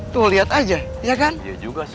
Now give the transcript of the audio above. tuh lihat aja ya kan move but